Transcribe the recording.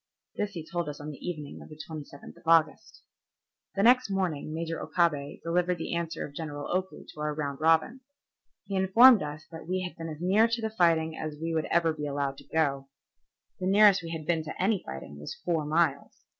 This he told us on the evening of the 27th of August. The next morning Major Okabe delivered the answer of General Oku to our round robin. He informed us that we had been as near to the fighting as we ever would be allowed to go. The nearest we had been to any fighting was four miles.